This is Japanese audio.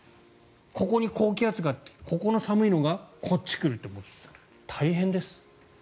ここに高気圧があってここの寒いのがこっちに来るともう大変です。